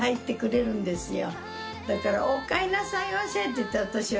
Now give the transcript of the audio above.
だから「おかえりなさいませ」って言って私は。